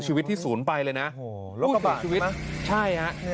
ชีวิตที่ศูนย์ไปเลยนะโอ้โหแล้วก็บ่านใช่ไหมใช่ฮะเนี่ย